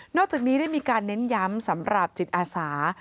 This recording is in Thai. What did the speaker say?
อกจากนี้ได้มีการเน้นย้ำสำหรับจิตอาสา